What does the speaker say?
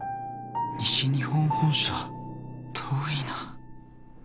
西日本本社遠いナ。